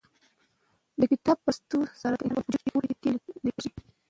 د کتاب په لوستلو سره د انسان په وجود کې د پوهې جټکې لګېږي.